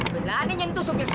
berani nyentuh sopir saya